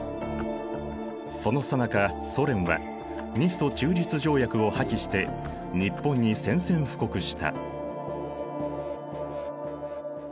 そのさなかソ連は日ソ中立条約を破棄して日本に宣戦布告した。